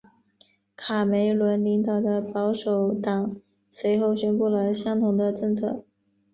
卡梅伦领导的保守党随后宣布了相同的政策。